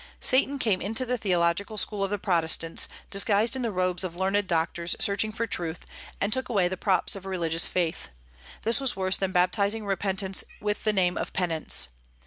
Satan came into the theological school of the Protestants, disguised in the robes of learned doctors searching for truth, and took away the props of religious faith. This was worse than baptizing repentance with the name of penance.